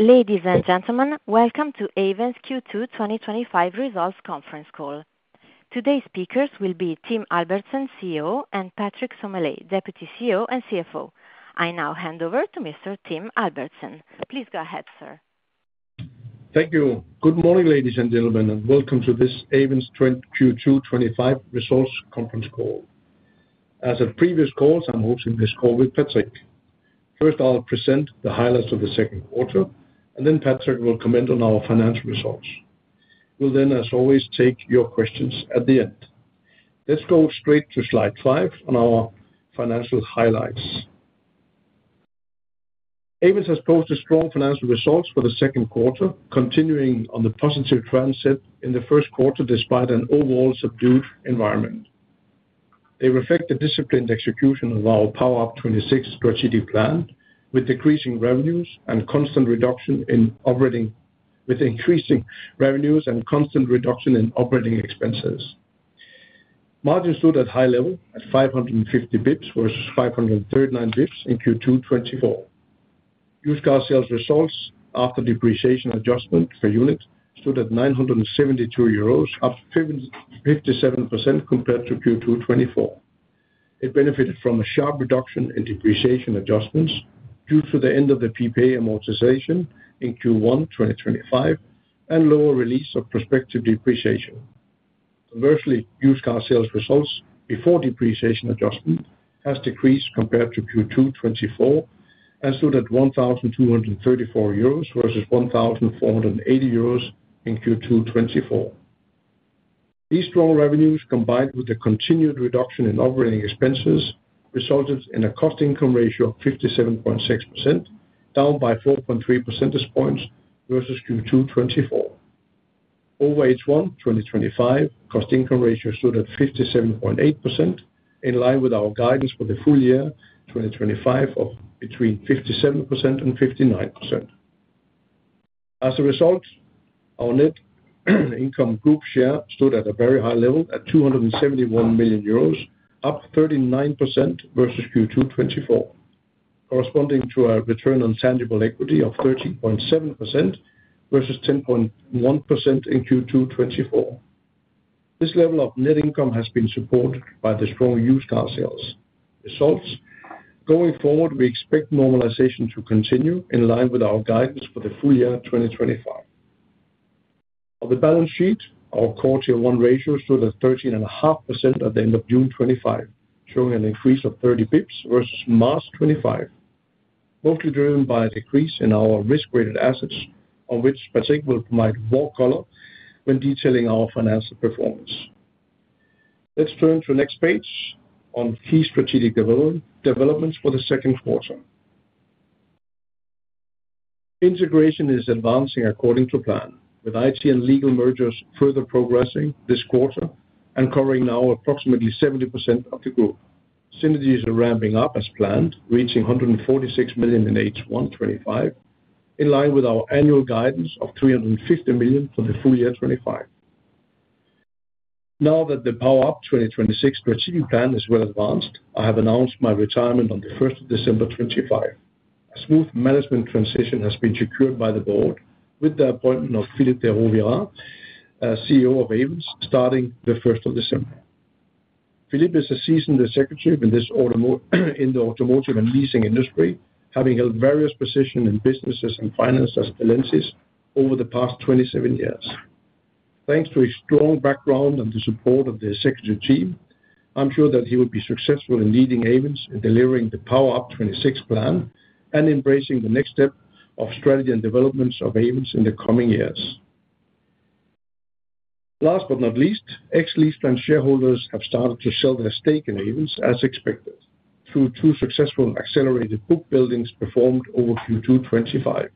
Ladies and gentlemen, welcome to Ayvens Q2 2025 results conference call. Today's speakers will be Tim Albertsen, CEO, and Patrick Sommelet, Deputy CEO and CFO. I now hand over to Mr. Tim Albertsen. Please go ahead, sir. Thank you. Good morning ladies and gentlemen and welcome to this Ayvens Q2 2025 results conference call. As at previous calls, I'm hosting this call with Patrick. First I'll present the highlights of the second quarter and then Patrick will comment on our financial results. We'll then, as always, take your questions at the end. Let's go straight to slide 5 on our financial highlights. Ayvens has posted strong financial results for the second quarter, continuing on the positive trend in the first quarter despite an overall subdued environment. They reflect the disciplined execution of our PowerUP 2026 strategic plan with increasing revenues and constant reduction in operating expenses, margin stood at high level at 550 basis points versus 539 basis points in Q2 2024. Used car sales results after depreciation adjustment per unit stood at 972 euros, up 57% compared to Q2 2024. It benefited from a sharp reduction in depreciation adjustments due to the end of the PPA amortization in Q1 2025 and lower release of prospective depreciation. Conversely, used car sales results before depreciation adjustment has decreased compared to Q2 2024 and stood at 1,234 euros versus 1,480 euros in Q2 2024. These strong revenues combined with the continued reduction in operating expenses resulted in a cost/income ratio of 57.6%, down by 4.3 percentage points versus Q2 2024. Over H1 2025, cost/income ratio stood at 57.8% in line with our guidance for the full year 2025 of between 57% and 59%. As a result, our net income group share stood at a very high level at 271 million euros, up 39% versus Q2 2024, corresponding to a return on tangible equity of 13.7% versus 10.1% in Q2 2024. This level of net income has been supported by the strong used car sales results. Going forward, we expect normalization to continue in line with our guidance for the full year 2025. On the balance sheet, our CET1 ratio stood at 13.5% at the end of June 2025, showing an increase of 30 basis points versus March 2025, mostly driven by a decrease in our risk-weighted assets on which Patrick will provide more color when detailing our financial performance. Let's turn to the next page on key strategic developments for the second quarter. Integration is advancing according to plan with IT and legal mergers further progressing this quarter and covering now approximately 70% of the group. Synergies are ramping up as planned, reaching 146 million in H1 2025 in line with our annual guidance of 350 million for the full year. Now that the PowerUP 2026 strategic plan is well advanced, I have announced my retirement on 1st December, 2025. A smooth management transition has been secured by the Board with the appointment of Philippe de Rovira as CEO of Ayvens starting December 1. Philippe is a seasoned executive in the automotive and leasing industry, having held various positions in business and finance at Ayvens over the past 27 years. Thanks to his strong background and the support of the executive team, I'm sure that he will be successful in leading Ayvens in delivering the PowerUP 2026 plan and embracing the next step of strategy and development of Ayvens in the coming years. Last but not least, ex-LeasePlan shareholders have started to sell their stake in Ayvens as expected through two successful accelerated bookbuilds performed over Q2 2025.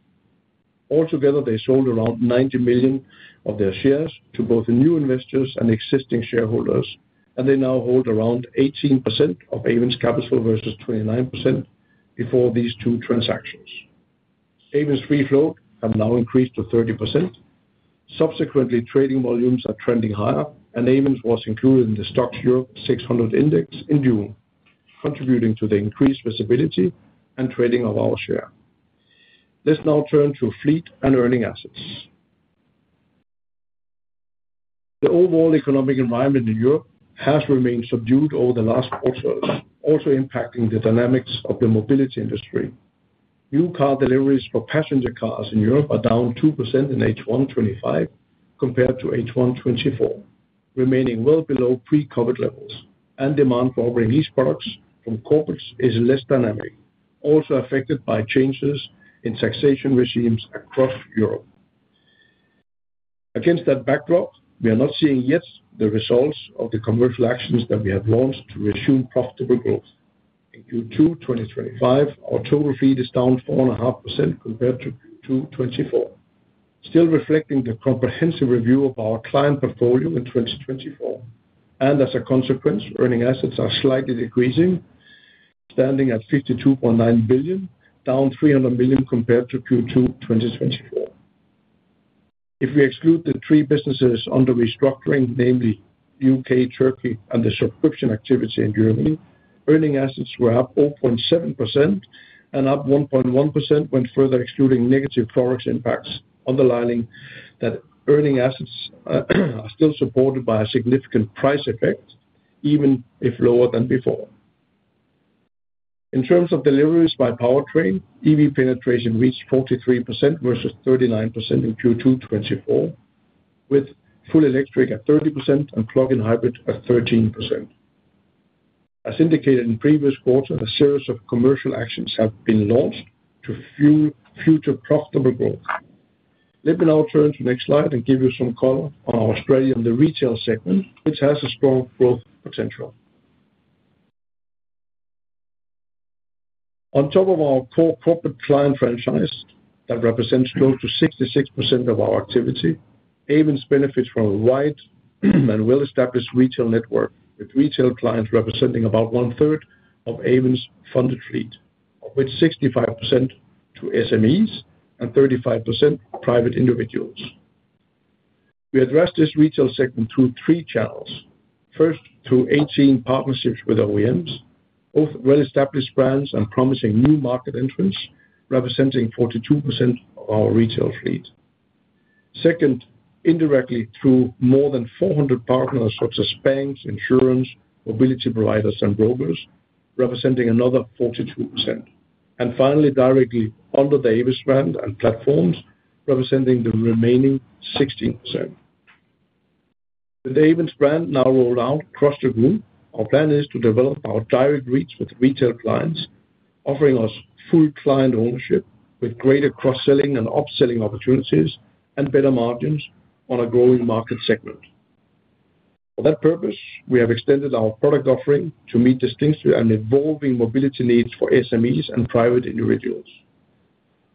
Altogether, they sold around 90 million of their shares to both new investors and existing shareholders, and they now hold around 18% of Ayvens capital versus 29% before these two transactions. Ayvens free float has now increased to 30%. Subsequently, trading volumes are trending higher and Ayvens was included in the STOXX Europe 600 Index in June, contributing to the increased visibility and trading of our share. Let's now turn to fleet and earning assets. The overall economic environment in Europe has remained subdued over the last quarters, also impacting the dynamics of the mobility industry. New car deliveries for passenger cars in Europe are down 2% in H1 2025 compared to H1 2024, remaining well below pre-COVID levels, and demand for leasing products from corporates is less dynamic, also affected by changes in taxation regimes across Europe. Against that backdrop, we are not seeing yet the results of the commercial actions that we have launched to assume profitable growth in Q2 2025. Our total fleet is down 4.5% compared to Q2 2024, still reflecting the comprehensive review of our client portfolio in 2024, and as a consequence, earning assets are slightly decreasing, standing at 52.9 billion, down 300 million compared to Q2 2024. If we exclude the three businesses under restructuring, namely U.K., Turkey, and the subscription activity in Germany, earning assets were up 0.7% and up 1.1% when further excluding negative forex impacts, underlining that earning assets are still supported by a significant price effect even if lower than before. In terms of deliveries by powertrain, EV penetration reached 43% versus 39% in Q2 2024, with full electric at 30% and plug-in hybrid at 13%. As indicated in previous quarters, a series of commercial actions have been launched to fuel future profitable growth. Let me now turn to the next. Slide and give you some color on. Our Australia and the retail segment, which has a strong growth potential on top of our core corporate client franchise that represents close to 66% of our activity. Ayvens benefits from a wide and well-established retail network, with retail clients representing about 1/3 of Ayvens' funded fleet, of which 65% to SMEs and 35% private individuals. We addressed this retail segment through three channels. First, through 18 partnerships with OEMs, both well-established brands and promising new market entrants, representing 42% of our retail fleet. Second, indirectly through more than 400 partners such as banks, insurance mobility providers, and brokers, representing another 42%. Finally, directly under the Ayvens brand and platforms, representing the remaining 16%, with the Ayvens brand now rolled out across the group. Our plan is to develop our direct reach with retail clients, offering us full client ownership with greater cross-selling and upselling opportunities and better margins on a growing market segment. For that purpose, we have extended our product offering to meet distinctive and evolving mobility needs for SMEs and private individuals.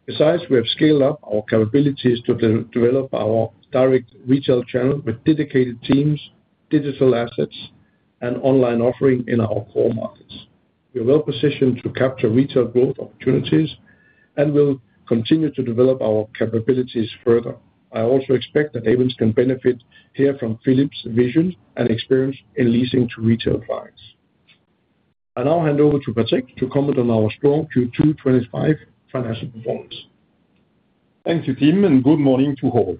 Besides, we have scaled up our capabilities to develop our direct retail channel with dedicated teams, digital assets, and online offering in our core markets. We are well positioned to capture retail growth opportunities and will continue to develop our capabilities further. I also expect that Ayvens can benefit here from Philippe's vision and experience in leasing to retail clients. I now hand over to Patrick to comment on our strong Q2 2025 financial performance. Thank you Tim and good morning to all.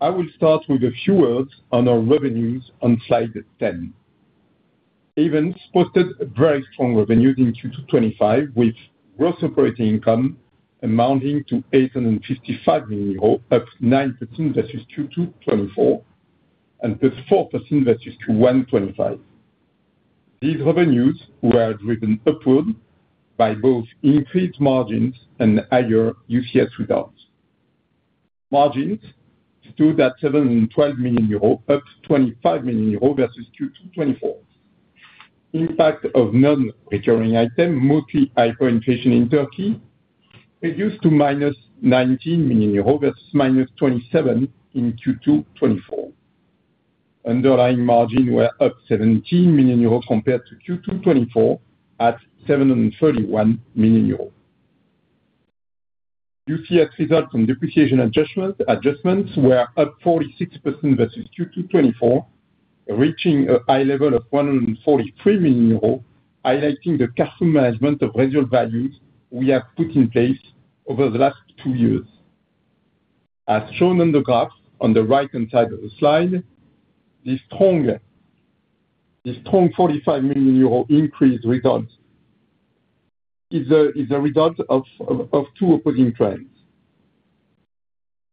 I will start with a few words on our revenues on slide 10. Ayvens posted very strong revenues in Q2 2025 with gross operating income amounting to 855 million euros, up 9% versus Q2 2024 and up 4% versus Q1 2025. These revenues were driven upward by both increased margins and higher used car sales results. Margins stood at 712 million euros, up 25 million euros versus Q2 2024. Impact of non-recurring item, mostly hyperinflation in Turkey, reduced to -19 million euro versus -27 million in Q2 2024. Underlying margin were up 17 million euro compared to Q2 2024 at 731 million euro. UCS results from depreciation adjustments were up 46% versus Q2 2024, reaching a high level of 143 million euros, highlighting the cash flow management of residual values we have put in place over the last two years as shown on the graph on the right-hand side of the slide. This strong EUR 45 million increase result is a result of two opposing trends.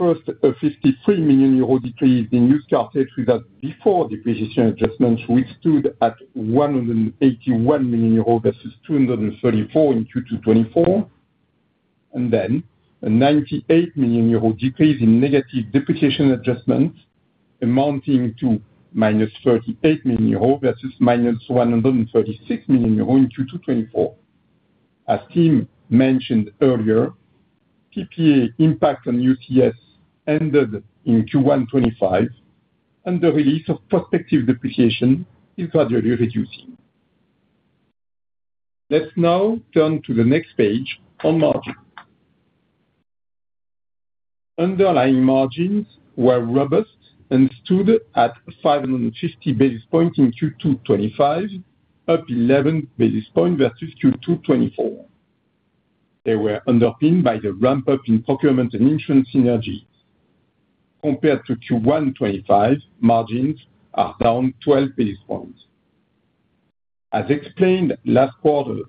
First, a 53 million euro decrease in used car sales with us before depreciation adjustments, which stood at 181 million euro versus 234 million in Q2 2024, and then a 98 million euro decrease in negative depreciation adjustments amounting to -38 million euro versus -136 million euro in Q2 2024. As Tim mentioned earlier, PPA impact on UCS ended in Q1 2025 and the release of prospective depreciation is gradually reducing. Let's now turn to the next page on margin. Underlying margins were robust and stood at 550 basis points in Q2 2025, up 11 basis points versus Q2 2024. They were underpinned by the ramp up in procurement and insurance synergies. Compared to Q1 2025, margins are down 12 basis points. As explained last quarter,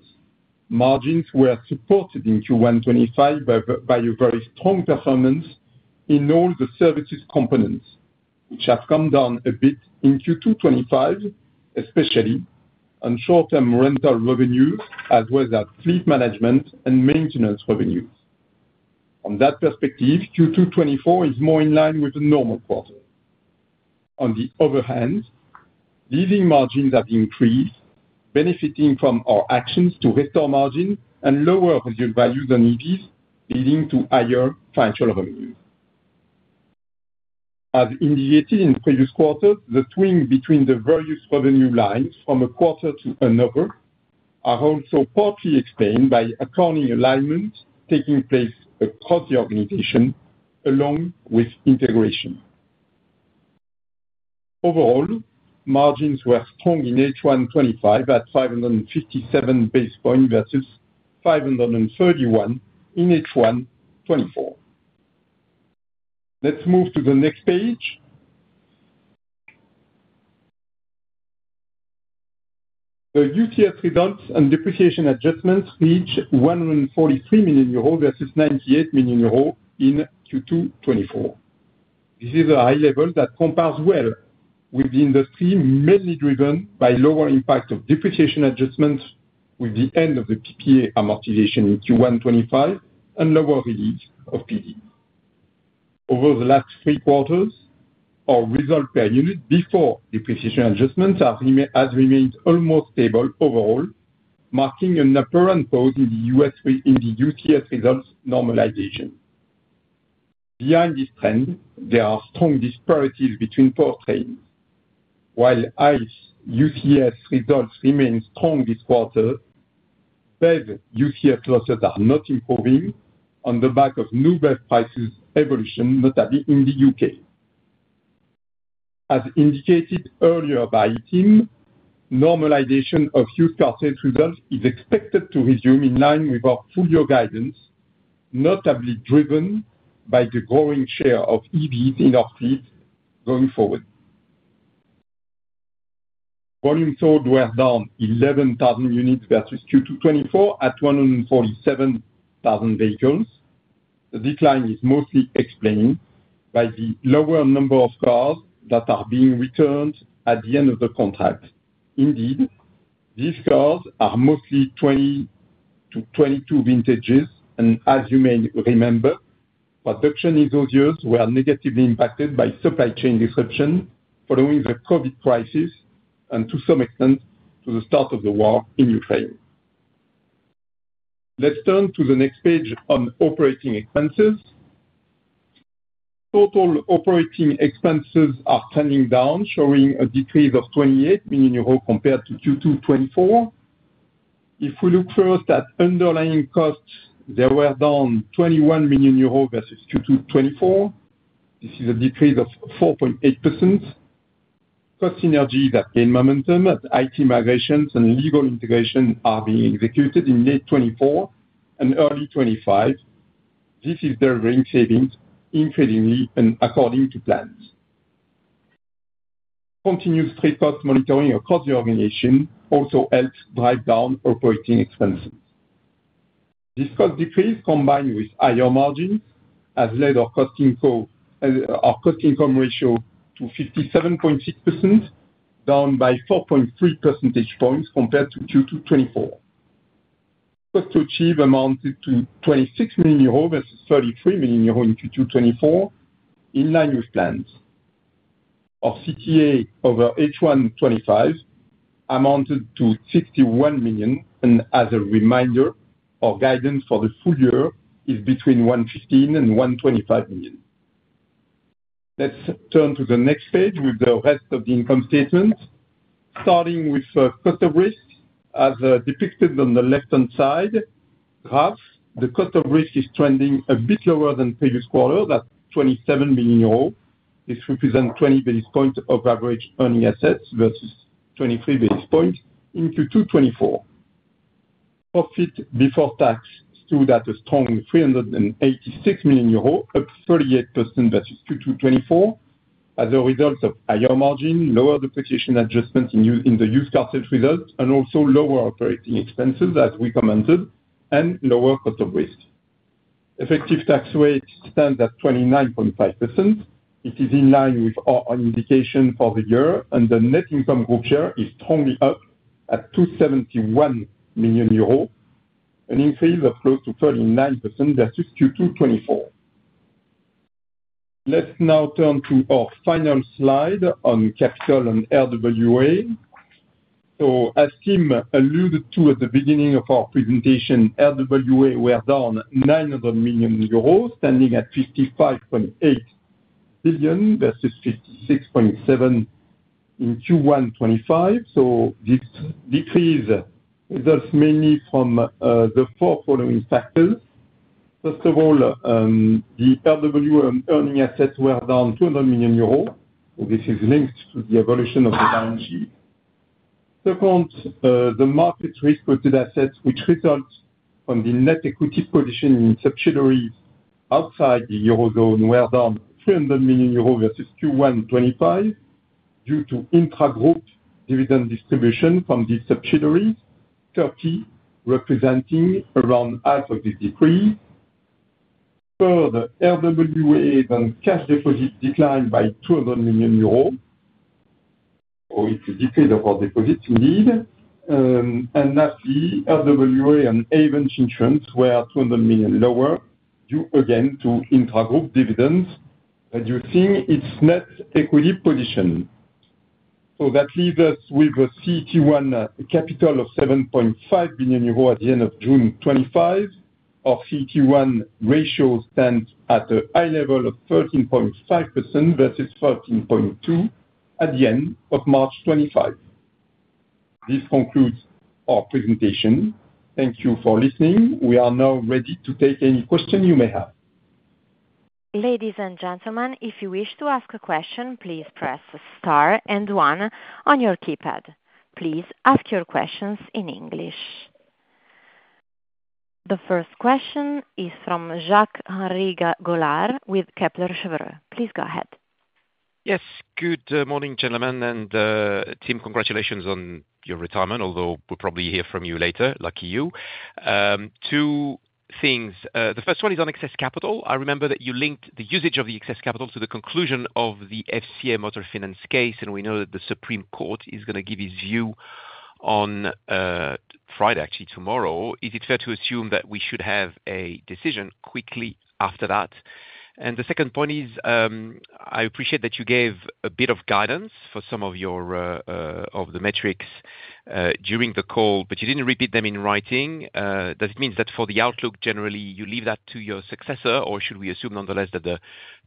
margins were supported in Q1 2025 by a very strong performance in all the services components, which have come down a bit in Q2 2025, especially on short-term rental revenues as well as fleet management and maintenance revenues. From that perspective, Q2 2024 is more in line with the normal quarter. On the other hand, leasing margins have increased, benefiting from our actions to restore margin and lower reserved values and EVs, leading to higher financial revenues. As indicated in previous quarters, the swing between the various revenue lines from a quarter to another are also partly explained by accounting alignments taking place across the organization along with integration. Overall, margins were strong in H1 2025 at 557 basis points versus 531 basis points in H1 2024. Let's move to the next page. The UCS results and depreciation adjustments reach 143 million euros versus 98 million euros in Q2 2024. This is a high level that compares well with the industry, mainly driven by lower impact of depreciation adjustments. With the end of the PPA amortization in Q1 2025 and lower relief of PDE over the last 3 quarters, our result per unit before depreciation adjustment has remained almost stable overall, marking an apparent pause in the UCS results normalization. Behind this trend, there are strong disparities between portfolios. While ICE UCS results remain strong this quarter, BEV UCS losses are not improving on the back of new BEV prices evolution, notably in the U.K. As indicated earlier by Tim, normalization of used car sales results is expected to resume in line with our full-year guidance, notably driven by the growing share of EVs in our fleet. Going forward. Volume sold were down 11,000 units versus Q2 2024 at 147,000 vehicles. The decline is mostly explained by the lower number of cars that are being returned at the end of the contract. Indeed, these cars are mostly 2020 to 2022 vintages and as you may remember, production in those years was negatively impacted by supply chain disruption following the COVID crisis and to some extent to the start of the war in Ukraine. Let's turn to the next page on operating expenses. Total operating expenses are trending down, showing a decrease of 28 million euros compared to Q2 2024. If we look first at underlying costs, they were down 21 million euros versus Q2 2024. This is a decrease of 4.8%. Cost synergies have gained momentum as IT migrations and legal integrations are being executed in late 2024 and early 2025. This is delivering savings increasingly and according to plans, continuous free cost monitoring across the organization also helps drive down operating expenses. This cost decrease combined with higher margins has led our cost/income ratio to 57.6%, down by 4.3 percentage points compared to Q2 2024. Cost to achieve amounted to 26 million euros versus 33 million euros in Q2 2024. In line with plans, our CTA over H1 2025 amounted to 61 million and as a reminder our guidance for the full year is between 115 million and 125 million. Let's turn to the next page with the rest of the income statement starting with cost of risk. As depicted on the left-hand side graph, the cost of risk is trending a bit lower than previous quarter. That's 27 million euros. This represents 20 basis points of average earning assets versus 23 basis points in Q2 2024. Profit before tax stood at a strong 386 million euros, up 38% versus Q2 2024. As a result of higher margin, lower depreciation adjustments in the used car sales result and also lower operating expenses as we commented and lower cost of risk, effective tax rate stands at 29.5%. It is in line with our indication for the year and the net income group share is strongly up at 271 million euros, an increase of close to 39% versus Q2 2024. Let's now turn to our final slide on capital and RWA. As Tim alluded to at the beginning of our presentation, RWA were down 900 million euros, standing at 55.8 billion versus 56.7 billion in Q1 2025. This decrease results mainly from the four following factors. First of all, the lower earning assets were down 200 million euros. This is linked to the evolution of the balance sheet. Second, the market risk-weighted assets which result from the net equity position in subsidiaries outside the eurozone were down 300 million euros versus Q1 2025 due to intragroup dividend distribution from these subsidiaries, Turkey representing around half of this decrease. Further, RWA on cash deposit declined by 200 million euros. It's a decay of our deposits indeed. Lastly, RWA on Ayvens Insurance were 200 million lower due again to intragroup dividends, reducing its net equity position. That leaves us with a CET1 capital of 7.5 billion euro at the end of June 2025. Our CET1 ratio stands at a high level of 13.5% versus 13.2% at the end of March 2025. This concludes our presentation. Thank you for listening. We are now ready to take any question you may have. Ladies and gentlemen, if you wish to ask a question, please press star and one on your keypad. Please ask your questions in English. The first question is from Jacques-Henri Gaulard with Kepler Cheuvreux. Please go ahead. Yes. Good morning, gentlemen and team. Congratulations on your retirement. Although we'll probably hear from you later. Lucky you. Two things. The first one is on excess capital. I remember that you linked the usage of the excess capital to the conclusion of the FCA motor finance case. We know that the Supreme Court is going to give its view on Friday, actually tomorrow. Is it fair to assume that we should have a decision quickly after that? The second point is, I appreciate that you gave a bit of guidance for some of the metrics during the call, but you didn't really repeat them in writing. Does it mean that for the outlook generally you leave that to your successor? Should we assume nonetheless that the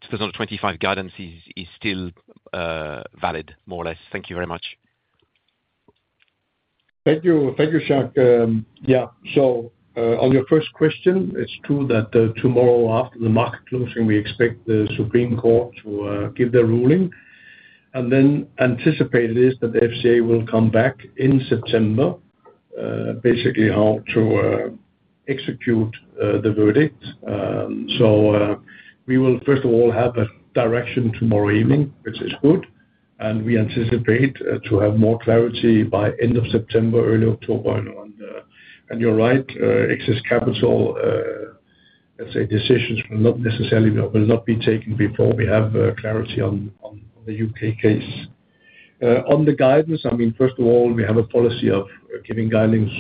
2025 guidance is still valid, more or less? Thank you very much. Thank you. Thank you, Jacques. Yeah, so on your first question, it's true that tomorrow after the market closing, we expect the Supreme Court to give their ruling. It is anticipated that the FCA will come back in September, basically, on how to execute the verdict. We will, first of all, have a direction tomorrow evening, which is good. We anticipate having more clarity by end of September, early October. You're right, excess capital decisions will not necessarily be taken before we have clarity on the U.K. case, on the guidance. First of all, we have a policy of giving guidance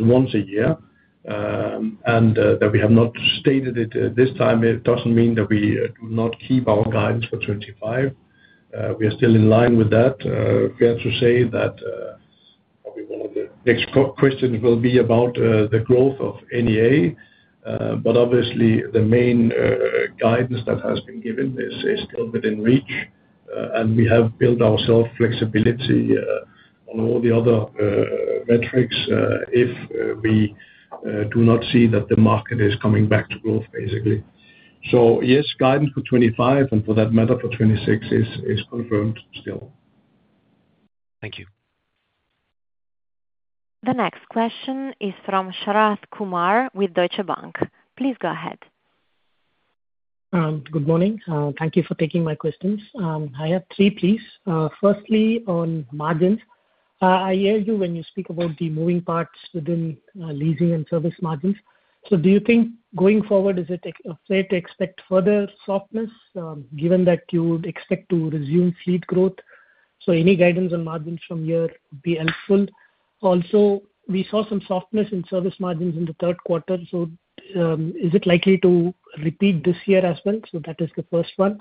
once a year and we have not stated it this time. It doesn't mean that we do not keep our guidance for 2025. We are still in line with that. It is fair to say that probably one of the next questions will be about the growth of NEA. Obviously, the main guidance that has been given is still within reach and we have built ourselves flexibility on all the other metrics if we do not see that the market is coming back to growth, basically. Yes, guidance for 2025 and for that matter for 2026 is confirmed still. Thank you. The next question is from Sharath Kumar with Deutsche Bank. Please go ahead. Good morning. Thank you for taking my questions. I have three, please. Firstly, on margins, I hear you when you speak about the moving parts within leasing and service margins. Do you think going forward, is it fair to expect further softness given that you would expect to resume fleet growth? Any guidance on margins from here would be helpful. Also, we saw some softness in service margins in the third quarter. Is it likely to repeat this year as well? That is the first one.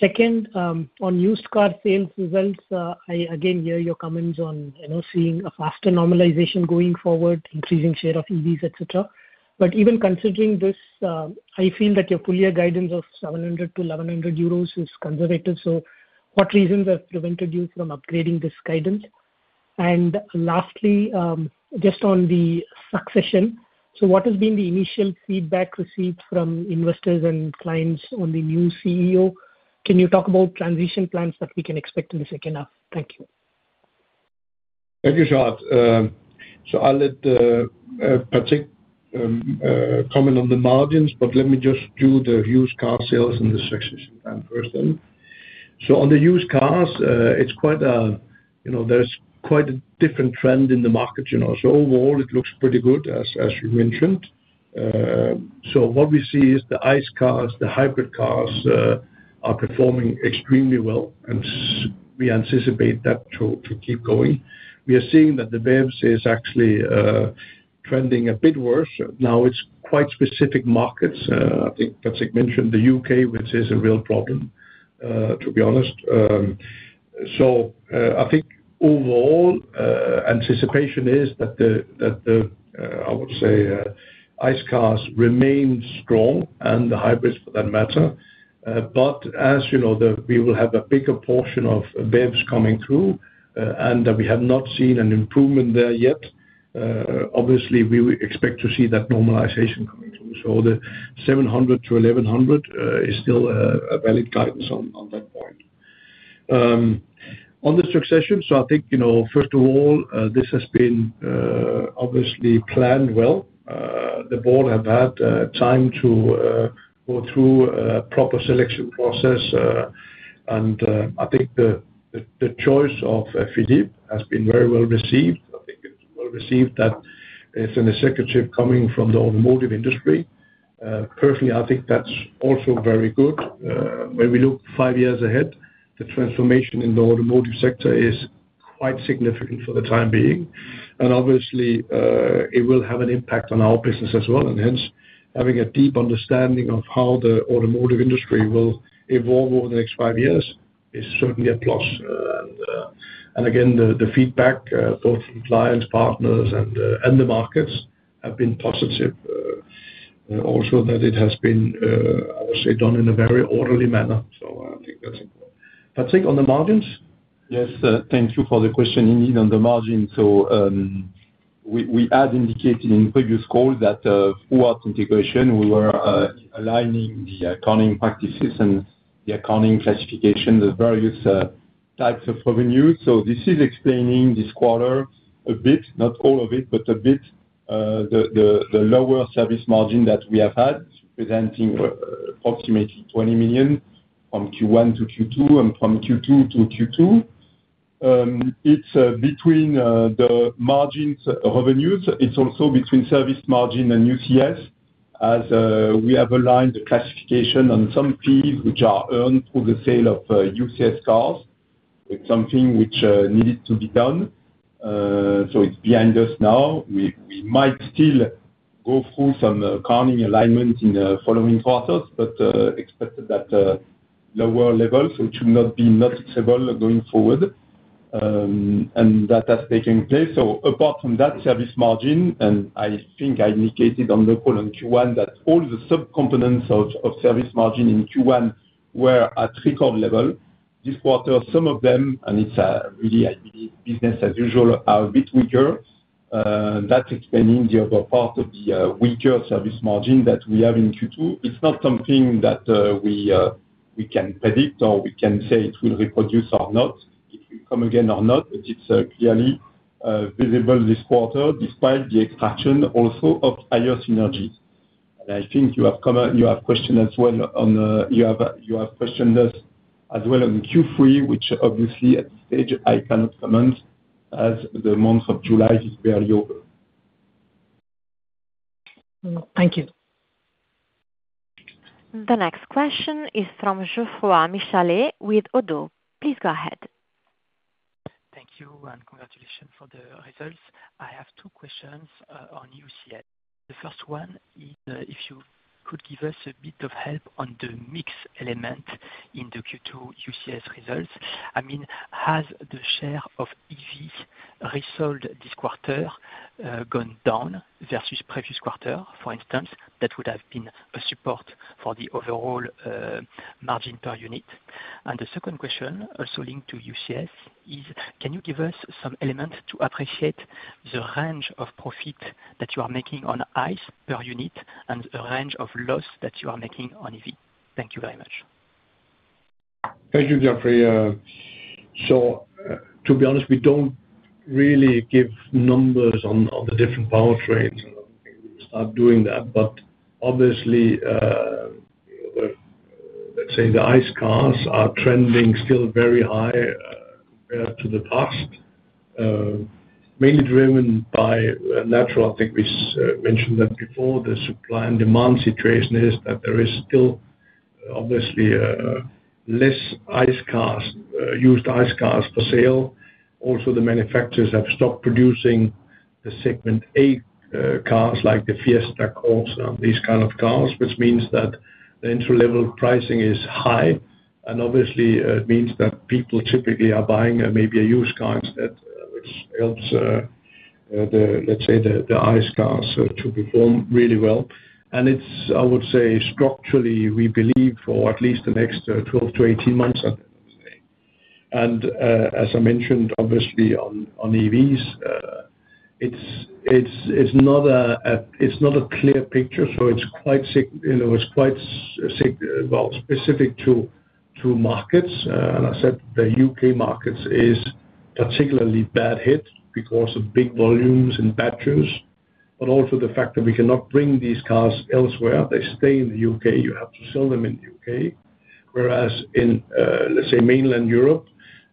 Second, on used car sales results, I again hear your comments on seeing a faster normalization going forward, increasing share of EVs, etc. Even considering this, I feel that your full year guidance of 700-1,100 euros is conservative. What reasons have prevented you from upgrading this guidance? Lastly, just on the succession, what has been the initial feedback received from investors and clients on the new CEO? Can you talk about transition plans that we can expect in the second half? Thank you. Thank you, Sharath. I'll let Patrick comment on the margins, but let me just do the used car sales and the succession plan first. On the used cars, there's quite a different trend in the market. Overall, it looks pretty good, as you mentioned. What we see is the ICE cars and the hybrid cars are performing extremely well, and we anticipate that to keep going. We are seeing that the BEVs are actually trending a bit worse now. It's quite specific markets. I think Patrick mentioned the U.K., which is a real problem, to be honest. Overall anticipation is that I would say ICE cars remain strong, and the hybrids for that matter. As you know, we will have a bigger portion of BEVs coming through, and we have not seen an improvement there yet. Obviously, we expect to see that normalization coming through. The 700-1,100 is still a valid guidance on that point. On the succession, first of all, this has been obviously planned well. The board have had time to go through proper selection process, and I think the choice of Philippe has been very well received. I think it's well received that it's an executive coming from the automotive industry. Personally, I think that's also very good. When we look five years ahead, the transformation in the automotive sector is quite significant for the time being, and obviously it will have an impact on our business as well. Hence, having a deep understanding of how the automotive industry will evolve over the next five years is certainly a plus. Again, the feedback both from clients, partners, and the markets have been positive. Also, it has been done in a very orderly manner. I think that's important. Patrick, on the margins. Yes, thank you for the question. Indeed on the margin. We had indicated in previous calls that forward integration we were aligning the accounting practices and the accounting classification, the various types of revenues. This is explaining this quarter a bit, not all of it, but a bit. The lower service margin that we have had representing approximately 20 million from Q1 to Q2 and from Q2 to Q2, it's between the margins revenues. It's also between service margin and UCS as we have aligned the classification on some fees which are earned through the sale of UCS cars. It's something which needed to be done. It is behind us now. We might still go through some alignment in the following quarters, but expected at lower level. It should not be noticeable going forward and that has taken place. Apart from that service margin, I think I indicated on the call on Q1 that all the subcomponents of service margin in Q1 were at record level this quarter. Some of them, and it's really business as usual, are a bit weaker. That's explaining the other part of the weaker service margin that we have in Q2. It's not something that we can predict or we can say it will reproduce or not, it will come again or not. It is clearly visible this quarter despite the extraction also of higher synergies. I think you have question as well. You have questioned us as well in Q3, which obviously stage I cannot comment as the month of July is barely over. Thank you. The next question is from Geoffroy Michalet with ODDO. Please go ahead. Thank you. Congratulations for the results. I have two questions on UCS. The first one is if you could give us a bit of help on the mix element in the Q2 UCS results. I mean, has the share of EVs resold this quarter gone down versus previous quarter, for instance, that would have been a support for the overall margin per unit. The second question, also linked to UCS, is can you give us some element to appreciate the range of profit that you are making on ICE per unit and a range of loss that you are making on EV? Thank you very much. Thank you, Geoffroy. To be honest, we don't really give numbers on the different powertrains, but obviously let's say the ICE cars are trending still very high compared to the past, mainly driven by natural. I think we mentioned that before. The supply and demand situation is that there is still obviously less ICE cars, used ICE cars for sale. Also, the manufacturers have stopped producing the segment A cars like the Fiesta, Corsa, these kind of cars, which means that the entry level pricing is high and it means that people typically are buying maybe a used car instead, which helps the ICE cars to perform really well. I would say structurally we believe for at least the next 12 months-18 months. As I mentioned, on EVs it's not a clear picture. It's quite specific to markets. The U.K. market is particularly badly hit because of big volumes and batteries. Also, the fact that we cannot bring these cars elsewhere, they stay in the U.K., you have to sell them in the U.K., whereas in mainland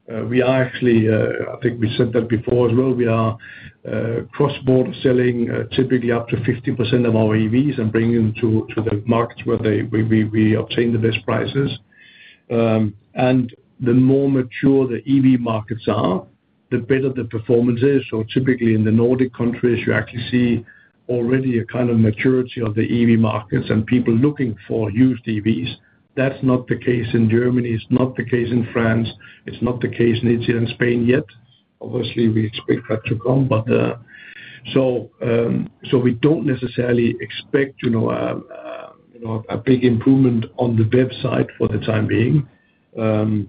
Europe we are actually, I think we said that before as well, we are cross-border selling typically up to 50% of our EVs and bringing them to the markets where we obtain the best prices. The more mature the EV markets are, the better the performance is. Typically in the Nordic countries you actually see already a kind of maturity of the EV markets and people looking for used EVs. That's not the case in Germany, it's not the case in France, it's not the case in Italy and Spain yet. We expect that to come, but we don't necessarily expect a big improvement on the website for the time being. To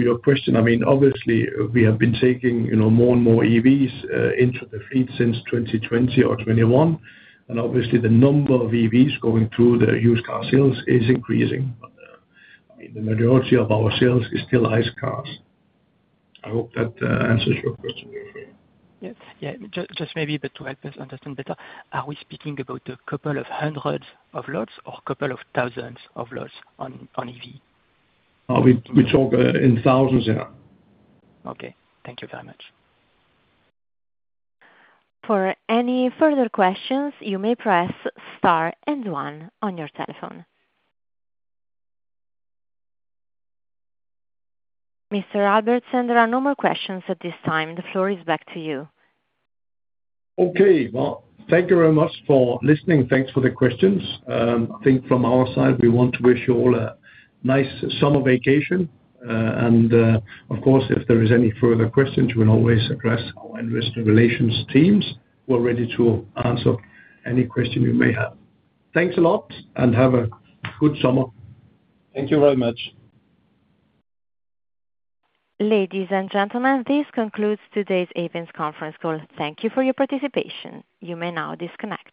your question, we have been taking more and more EVs into the fleet since 2020 or 2021 and the number of EVs going through the used car sales is increasing. The majority of our sales is still ICE cars. I hope that answers your question. Just maybe. To help us understand better, are we speaking about a couple of hundreds of lots or a couple of thousands of lots on EV? We talk in thousands. Okay, thank you very much. For any further questions, you may press star and one on your telephone. Mr. Albertsen, there are no more questions at this time. The floor is back to you. Okay, thank you very much for listening. Thanks for the questions. I think from our side we want to wish you all a nice summer vacation. Of course, if there are any further questions, you can always address our investor relations teams who are ready to answer any question you may have. Thanks a lot and have a good summer. Thank you very much. Ladies and gentlemen, this concludes today's Ayvens conference call. Thank you for your participation. You may now disconnect.